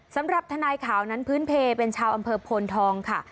สำหรับทนายขาวนั้นพื้นเพลเป็นชาวอำเภอโพนทองค่ะ